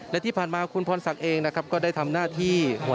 และก็มีการกินยาละลายริ่มเลือดแล้วก็ยาละลายขายมันมาเลยตลอดครับ